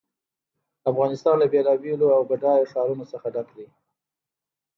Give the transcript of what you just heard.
افغانستان له بېلابېلو او بډایه ښارونو څخه ډک دی.